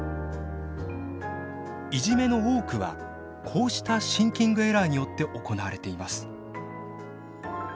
いじめの多くはこうしたシンキングエラーによって行われています。